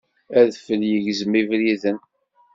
Adfel yegzem ibriden.